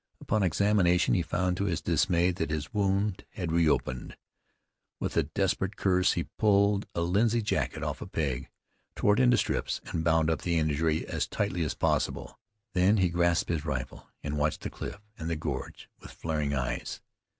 Upon examination he found, to his dismay, that his wound had reopened. With a desperate curse he pulled a linsey jacket off a peg, tore it into strips, and bound up the injury as tightly as possible. Then he grasped his rifle, and watched the cliff and the gorge with flaring eyes.